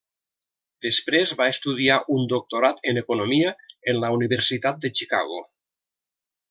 Després va estudiar un doctorat en economia en la Universitat de Chicago.